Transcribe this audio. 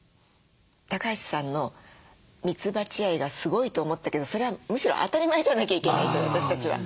橋さんのミツバチ愛がすごいと思ったけどそれはむしろ当たり前じゃなきゃいけないと私たちは。